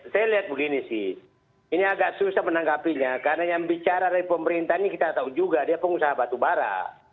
saya lihat begini sih ini agak susah menanggapinya karena yang bicara dari pemerintah ini kita tahu juga dia pengusaha batubara